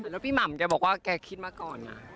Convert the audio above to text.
แล้วพี่หม่ำแกบอกว่าแกคิดมาก่อนนะ